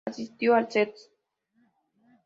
Asistió al "St.